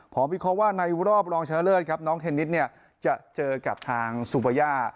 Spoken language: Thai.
เพราะว่าในรอบรองเช้าเลิศน้องเทนนิสจะเจอกับทางสุพยา